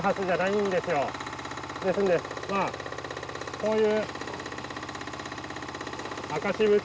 こういう。